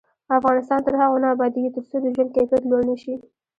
افغانستان تر هغو نه ابادیږي، ترڅو د ژوند کیفیت لوړ نشي.